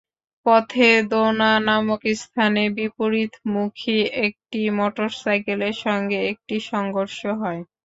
পথে দোনা নামক স্থানে বিপরীতমুখী একটি মোটরসাইকেলের সঙ্গে এটির সংঘর্ষ হয়।